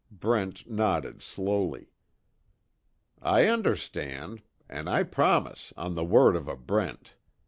Brent nodded, slowly: "I understand. And I promise on the word of a Brent.